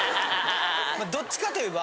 どっちかと言えば。